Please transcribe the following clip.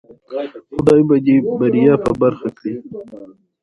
خدای به دی بریا په برخه کړی